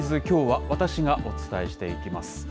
きょうは私がお伝えしていきます。